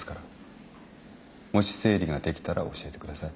もし整理ができたら教えてください。